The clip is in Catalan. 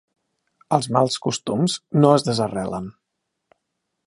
Els mals costums no es desarrelen.